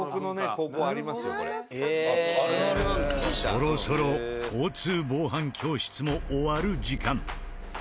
そろそろ交通防犯教室も終わる時間。